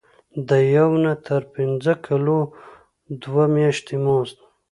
د یو نه تر پنځه کلونو دوه میاشتې مزد.